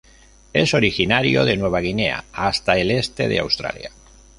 Es originario de Nueva Guinea hasta el este de Australia.